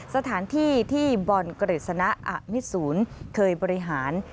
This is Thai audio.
สถานที่ที่บรรกฤษณะอักมิตศูนย์เคยบริหาร